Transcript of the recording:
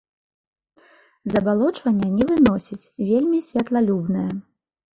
Забалочвання не выносіць, вельмі святлалюбная.